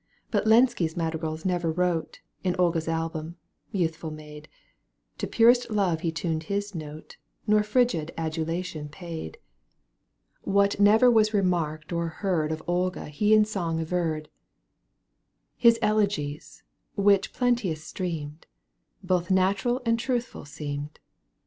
But Lenski madrigals ne'er wrote In Olga's album, youthful maid, To purest love he tuned his note Nor frigid adulation paid. I Digitized by VjOOQ 1С 114 EUGENE ON^GmNE. caoto iv. "What never was remarked or heard Of Olga he in song averred ; His elegies, which plenteous streamed. Both natural and truthful seemed.